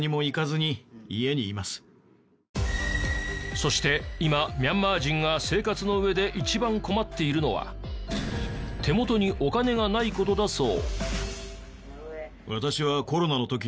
そして今ミャンマー人が生活の上で一番困っているのは手元にお金がない事だそう。